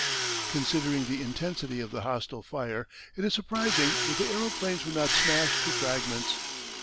Considering the intensity of the hostile fire, it is surprising that the aeroplanes were not smashed to fragments.